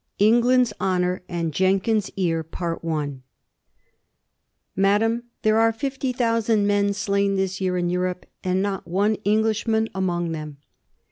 England's honob and Jenkins's ear. Madam, there are fifty thousand men slain this yeai in Europe, and not one Englishman among them."